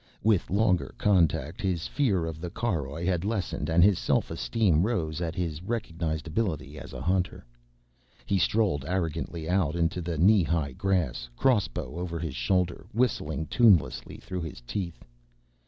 With longer contact his fear of the caroj had lessened, and his self esteem rose at his recognized ability as a hunter. He strolled arrogantly out into the knee high grass, crossbow over his shoulder, whistling tunelessly through his teeth.